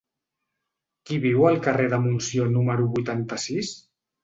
Qui viu al carrer de Montsió número vuitanta-sis?